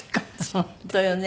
本当よね。